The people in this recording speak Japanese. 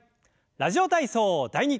「ラジオ体操第２」。